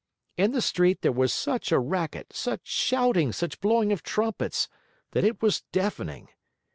In the street, there was such a racket, such shouting, such blowing of trumpets, that it was deafening.